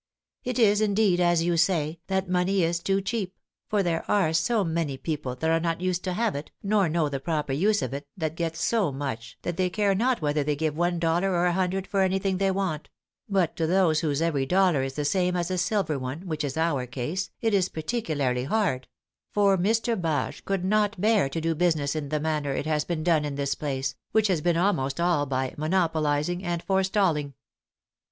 It is indeed, as you say, that money is too cheap; for there are so many people that are not used to have it, nor know the proper use of it, that get so much, that they care not whether they give one dollar or a hundred for anything they want; but to those whose every dollar is the same as a silver one, which is our case, it is particularly hard; for Mr. Bache could not bear to do business in the manner it has been done in this place, which has been almost all by monopolizing and forestalling."